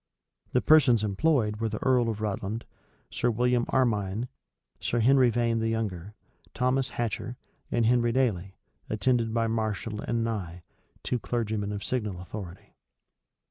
The persons employed were the earl of Rutland, Sir William Armyne, Sir Henry Vane the younger, Thomas Hatcher, and Henry Dailey, attended by Marshall and Nye, two clergymen of signal authority.